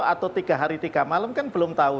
atau tiga hari tiga malam kan belum tahu